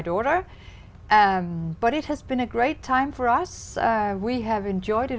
tôi đã dành rất nhiều thời gian ở đây